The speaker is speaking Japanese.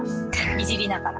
いじりながら。